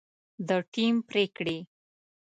د ټیم پرېکړې